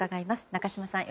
中島さん